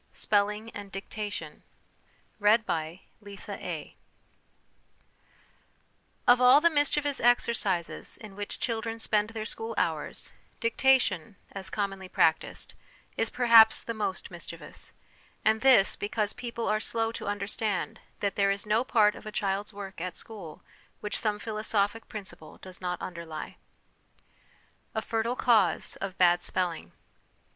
XII. SPELLING AND DICTATION Of all the mischievous exercises in which children spend their school hours, dictation, as commonly practised, is perhaps the most mischievous ; and this, because people are slow to understand that there is no part of a child's work at school which some philosophic principle does not underlie. A Fertile Cause of Bad Spelling.